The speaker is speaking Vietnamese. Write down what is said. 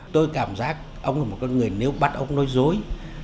tôi cảm giác ông là một con người nếu bắt ông nói dối